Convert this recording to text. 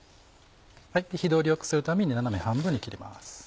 火通りを良くするために斜め半分に切ります。